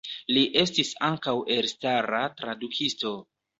Li estis ankaŭ elstara tradukisto.